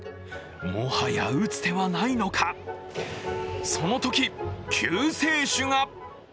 もはや打つ手はないのかそのとき、救世主が！